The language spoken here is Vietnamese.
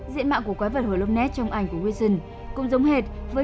diện mạng của quái vật hồ lúc nét trong ảnh của wilson cũng giống hệt với